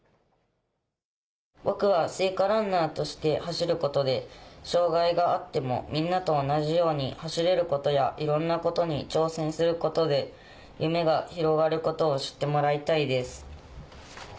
「僕は聖火ランナーとして走ることで障がいがあってもみんなと同じように走れることやいろんなことに挑戦することで夢が広がることを知ってもらいたいです」。